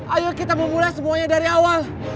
ayo kita memulai semuanya dari awal